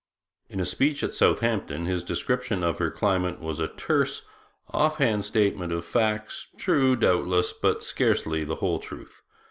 In a speech at Southampton his description of her climate was a terse, off hand statement of facts, true, doubtless, but scarcely the whole truth.